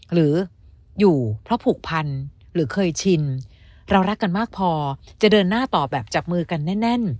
หรืออยู่เพราะผูกพันหรือเคยชินเรารักกันมากพอจะเดินหน้าต่อแบบจับมือกันแน่น